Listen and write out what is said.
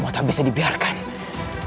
kaya tau sav apparently